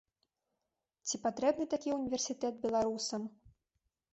Ці патрэбны такі ўніверсітэт беларусам?